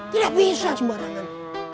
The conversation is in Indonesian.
tidak bisa sembarangan